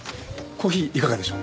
コーヒーいかがでしょう？